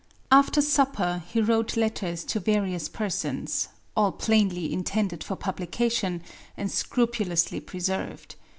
After supper he wrote letters to various persons, all plainly intended for publication, and scrupulously preserved.